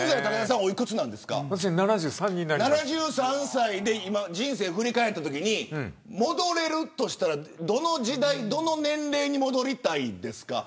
７３歳で人生振り返ったときに戻れるとしたらどの年代に戻りたいですか。